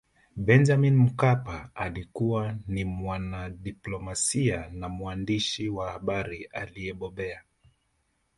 benjamin mkapa alikuwa ni mwanadiplomasia na mwandishi wa habari aliyebobea